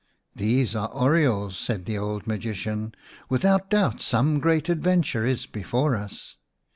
" These are orioles," said the old magician ;" without doubt some great adventure is before us."